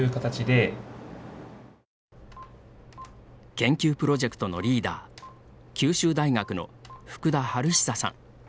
研究プロジェクトのリーダー九州大学の福田治久さん。